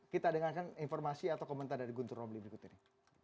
kita dengarkan informasi atau komentar dari guntur romli berikut ini